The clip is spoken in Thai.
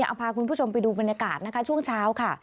เอาพาคุณผู้ชมไปดูบรรยากาศช่วงเช้า